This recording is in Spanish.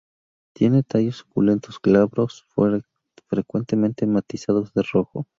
Tiene tallos suculentos, glabros, frecuentemente matizados de rojo.